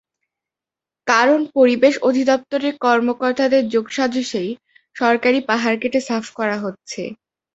কারণ পরিবেশ অধিদপ্তরের কর্মকর্তাদের যোগসাজশেই সরকারি পাহাড় কেটে সাফ করা হচ্ছে।